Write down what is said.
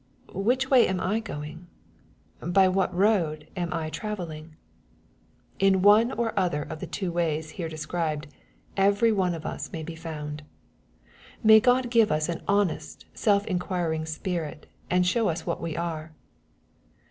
—" Which way am I going ? By what road am I travelling ?"— In one or other of the two ways here described, every one of us may be found. May Qod give us an honest, seli inquiring spirit, and show us what we are